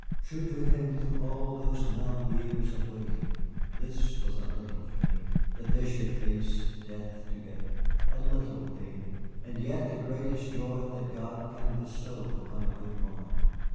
True to him through all those numb years of waiting, this was a little thing that they should face death together. A little thing, and yet the greatest joy that God can bestow upon a good woman.